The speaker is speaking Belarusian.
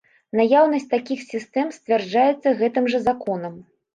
Наяўнасць такіх сістэм сцвярджаецца гэтым жа законам.